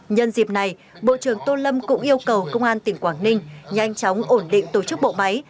nhân dịp này bộ trưởng tô lâm cũng yêu cầu công an tỉnh quảng ninh nhanh chóng ổn định tổ chức bộ máy